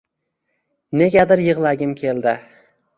Negadir yig‘lagim keldi.